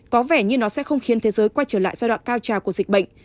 có vẻ như nó sẽ không khiến thế giới quay trở lại giai đoạn cao trào của dịch bệnh